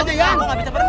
gua gak bisa berenang